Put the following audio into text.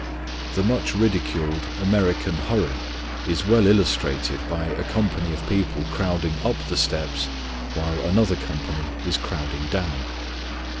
The much ridiculed American hurry is well illustrated by a company of people crowding up the steps while another company is crowding down.